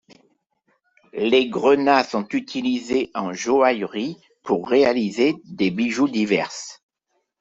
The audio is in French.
Les grenats sont utilisés en joaillerie pour réaliser des bijoux divers.